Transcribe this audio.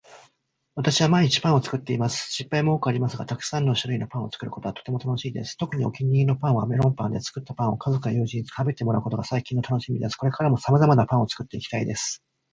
私は毎日パンを作っています。失敗も多くありますがたくさんの種類パンを作ることはとても楽しいです。特にお気に入りのパンは、メロンパンで、作ったパンを家族や友人に食べてもらうことが最近のたのしみです。これからも様々なパンを作っていきたいです。